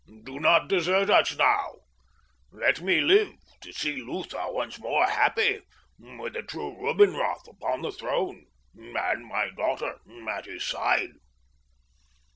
Do not desert us now. Let me live to see Lutha once more happy, with a true Rubinroth upon the throne and my daughter at his side."